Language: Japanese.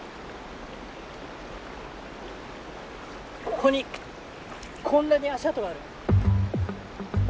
ここにこんなに足跡がある。